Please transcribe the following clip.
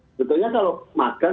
sebetulnya kalau makan